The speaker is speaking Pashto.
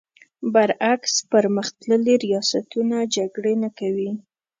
برعکس پر مختللي ریاستونه جګړې نه کوي.